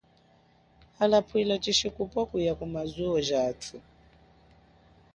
Hala pwila tshishikupwa kuya kumazuwo jathu.